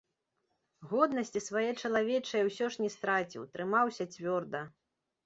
Годнасці свае чалавечае ўсё ж не страціў, трымаўся цвёрда.